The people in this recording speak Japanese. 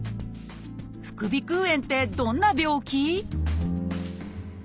「副鼻腔炎」ってどんな病気？